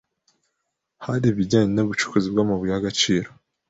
hari ibijyanye n’ubucukuzi bw’amabuye y’agaciro,